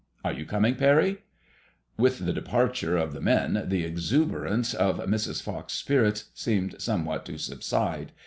Are you coming, Parry ?" "With the. departure of the men, the exuberance of Mrs. Fox's spirits seemed somewhat to subside.